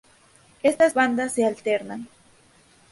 Estas bandas se alternan.